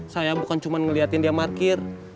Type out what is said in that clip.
saya bukan cuma ngeliatin dia parkir